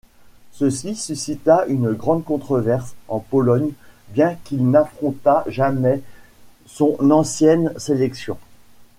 Ceci suscita une grande controverse en Pologne, bien qu'il n'affronta jamais son ancienne sélection.